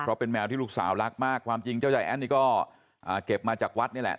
เพราะเป็นแมวที่ลูกสาวรักมากความจริงเจ้ายายแอ้นนี่ก็เก็บมาจากวัดนี่แหละ